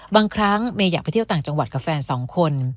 บางครั้งเมย์อยากไปเที่ยวต่างจังหวัดกับแฟนสองคน